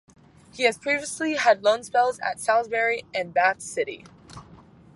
He has previously had loan spells at Salisbury and Bath City.